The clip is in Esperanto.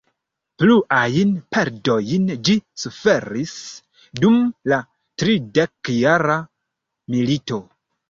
Pluajn perdojn ĝi suferis dum la tridekjara milito.